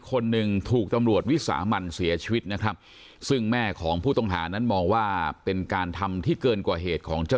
เขาอยู่กับเราที่บ้านมีรับปรากฏแปลกมั้ยครับ